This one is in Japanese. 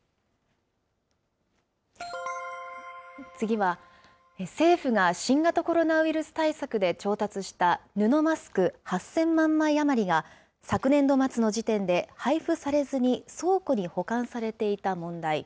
次は、政府が新型コロナウイルス対策で調達した布マスク８０００万枚余りが、昨年度末の時点で配布されずに倉庫に保管されていた問題。